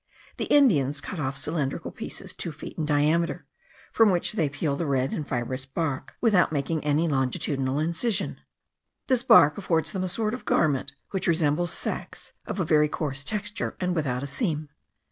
The Indians cut off cylindrical pieces two feet in diameter, from which they peel the red and fibrous bark, without making any longitudinal incision. This bark affords them a sort of garment, which resembles sacks of a very coarse texture, and without a seam.